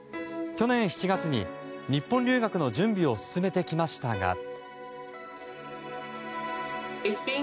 去年７月に日本留学の準備を進めてきましたが。